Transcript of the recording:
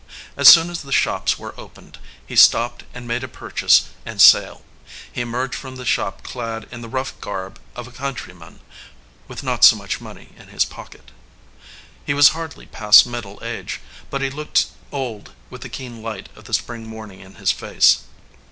As soon as the shops were opened he stopped and made a purchase and sale. He emerged from the shop clad in the rough garb of a countryman, with not so much money in his pocket. He was hardly past middle age; but he looked old with the keen light of the spring morning in his face.